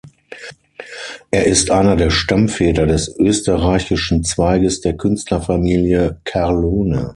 Er ist einer der Stammväter des österreichischen Zweiges der Künstlerfamilie Carlone.